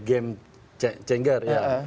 game changer ya